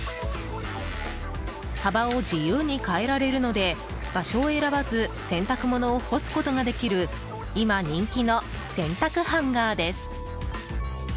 幅を自由に変えられるので場所を選ばず洗濯物を干すことができる今人気の洗濯ハンガーです。